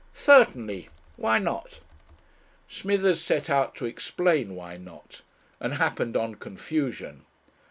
"Certainly. Why not?" Smithers set out to explain why not, and happened on confusion.